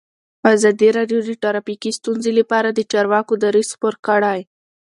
ازادي راډیو د ټرافیکي ستونزې لپاره د چارواکو دریځ خپور کړی.